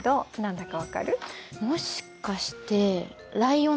もしかしてライオンですか？